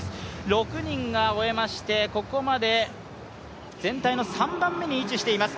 ６人が終えましてここまで全体の３番目に位置しています。